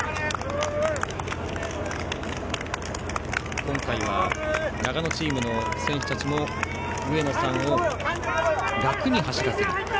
今回は、長野チームの選手たちも上野さんを楽に走らせる。